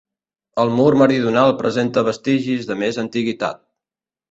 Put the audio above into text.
El mur meridional presenta vestigis de més antiguitat.